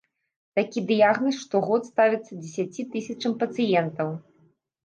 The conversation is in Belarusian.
Такі дыягназ штогод ставяць дзесяці тысячам пацыентаў.